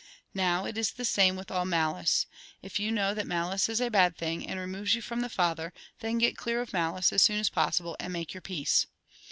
Now, it is the same with all malice. If you know that malice is a bad thing, and removes you from the Father, then get clear of malice as soon as possible, and make your peace.